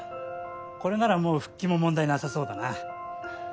これならもう復帰も問題なさそうだな。